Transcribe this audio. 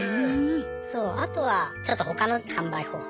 そうあとはちょっと他の販売方法